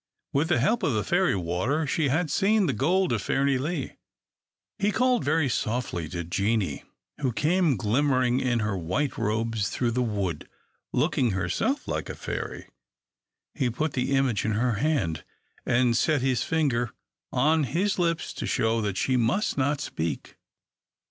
With the help of the fairy water she had seen The Gold of Fairnilee. He called very softly to Jeanie, who came glimmering in her white robes through the wood, looking herself like a fairy. He put the image in her hand, and set his finger on his lips to show that she must not speak.